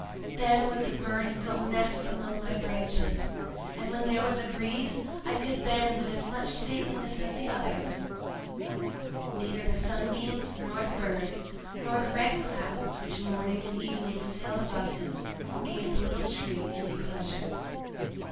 Then would the birds build nests among my branches; and when there was a breeze, I could bend with as much stateliness as the others!" Neither the sunbeams, nor the birds, nor the red clouds which morning and evening sailed above him, gave the little Tree any pleasure.